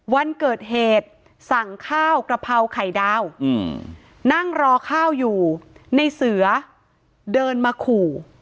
วันเกิดเหตุสั่งข้าวกระเพราไข่ดาวนั่งรอข้าวอยู่ในเสือเดินมาขู่